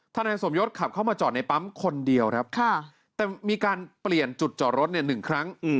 นายสมยศขับเข้ามาจอดในปั๊มคนเดียวครับแต่มีการเปลี่ยนจุดจอดรถ๑ครั้ง